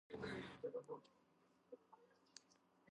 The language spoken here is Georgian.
იგი, ასევე კომერციულად წარმატებული აღმოჩნდა.